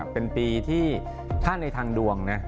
๒๐๒๖เป็นปีที่ถ้าในทางดวง